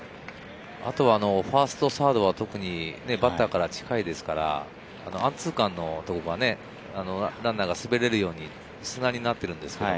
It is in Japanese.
あとファースト、サードは特にバッターから近いですから、アンツーカーのとこがね、ランナーが滑れるように砂になってるんです。